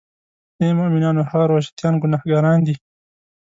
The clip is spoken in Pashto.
آی مومنانو هغه روژه تیان ګناهګاران دي.